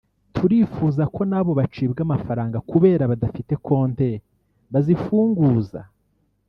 turifuza ko n’abo bacibwa amafaranga kubera badafite konti ko bazifunguza